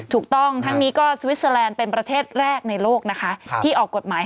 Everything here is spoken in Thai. ถูกต้องทั้งนี้ก็สวิสเตอร์แลนด์เป็นประเทศแรกในโลกนะคะที่ออกกฎหมาย